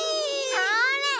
それ！